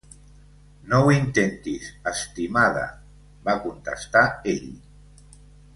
"No ho intentis, estimada", va contestar ell.